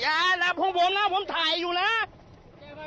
อย่าหลับพวกผมนะผมถ่ายอยู่แล้ว